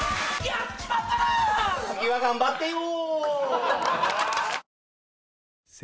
次は頑張ってよ！